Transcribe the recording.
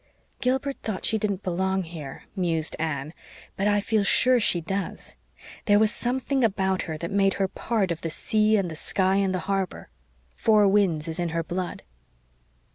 "Gilbert thought she didn't belong here," mused Anne, "but I feel sure she does. There was something about her that made her part of the sea and the sky and the harbor. Four Winds is in her blood."